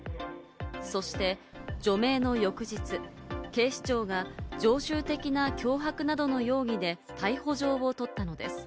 そして除名の翌日、警視庁が常習的な脅迫などの容疑で逮捕状を取ったのです。